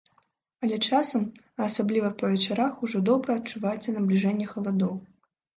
Але часам, а асабліва па вечарах ужо добра адчуваецца набліжэнне халадоў.